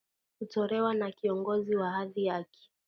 kutolewa na kiongozi wa hadhi yaki